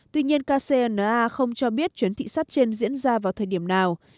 tuy nhiên kcna không cho biết chuyến thị sát trên diễn ra vào thời điểm nào